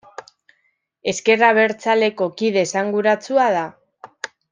Ezker abertzaleko kide esanguratsua da.